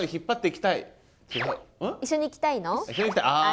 一緒に行きたいあ。